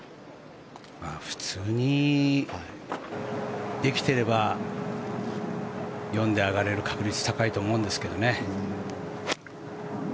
普通にできていれば４で上がれる確率は高いと思うんですけどね。